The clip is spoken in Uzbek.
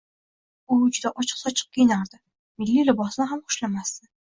U juda ochiq-sochiq kiyinardi, milliy libosni ham xushlamasdi.